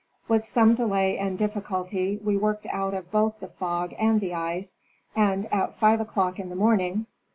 With some delay and difficulty we worked out of both the fog and the ice and at five o'clock in the morning Arctic Cruise of the U.